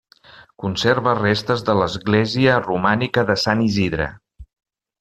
Conserva restes de l'església romànica de sant Isidre.